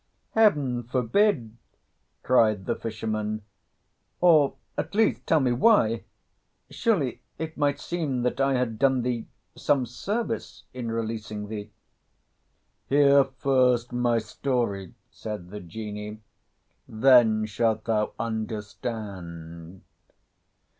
"Heaven forbid!" cried the fisherman; "or, at least, tell me why! Surely it might seem that I had done thee some service in releasing thee." "Hear first my story," said the Genie, "then shalt thou understand."